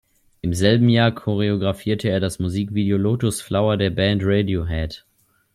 Im selben Jahr choreographierte er das Musikvideo "Lotus Flower" der Band Radiohead.